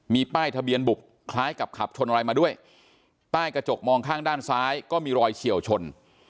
มีป้ายทะเบียนบุบคล้ายกับขับชนอะไรมาด้วยใต้กระจกมองข้างด้านซ้ายก็มีรอยเฉียวชน